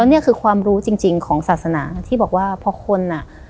นี่คือความรู้จริงจริงของศาสนาที่บอกว่าพอคนอ่ะ